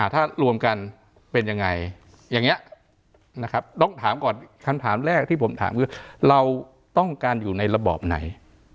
ถ้ารวมกันเป็นยังไงอย่างนี้นะครับต้องถามก่อนคำถามแรกที่ผมถามคือเราต้องการอยู่ในระบอบไหน